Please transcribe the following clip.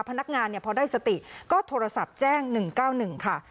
พนักงานเนี่ยพอได้สติก็โทรศัพท์แจ้งหนึ่งเก้าหนึ่งค่ะ